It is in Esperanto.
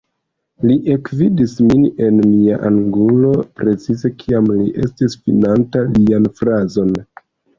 Li ekvidis min en mia angulo, precize kiam li estis finanta sian frazon.